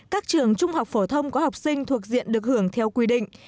các trường trung học phổ thông có học sinh thuộc diện được hưởng theo quy định